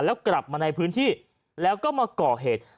แล้วกลับมาในพื้นที่แล้วก็มาก่อเหตุ